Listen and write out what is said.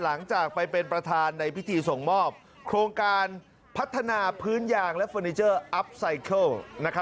หลังจากไปเป็นประธานในพิธีส่งมอบโครงการพัฒนาพื้นยางและเฟอร์นิเจอร์อัพไซเคิล